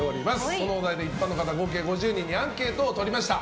そのお題で一般の方合計５０人にアンケートを取りました。